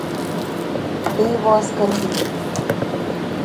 Ты его оскорбил.